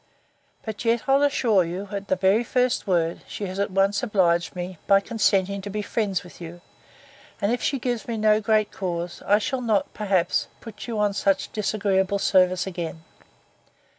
But yet I'll assure you, at the very first word, she has once obliged me, by consenting to be friends with you; and if she gives me no great cause, I shall not, perhaps, put you on such disagreeable service again.